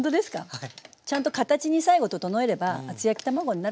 はい。